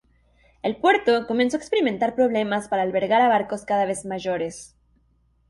El puerto comenzó a experimentar problemas para albergar a barcos cada vez mayores.